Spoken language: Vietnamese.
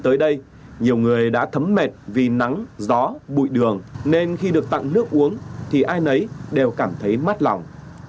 tới đây nhiều người đã thấm mệt vì nắng gió bụi đường nên khi được tặng nước uống thì ai nấy đều cảm thấy mát lòng